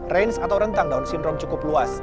range atau rentang down syndrome cukup luas